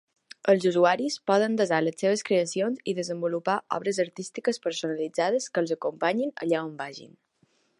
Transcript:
Els usuaris poden desar les seves creacions i desenvolupar obres artístiques personalitzades que els acompanyin allà on vagin.